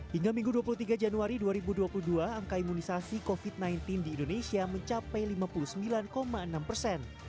hingga minggu dua puluh tiga januari dua ribu dua puluh dua angka imunisasi covid sembilan belas di indonesia mencapai lima puluh sembilan enam persen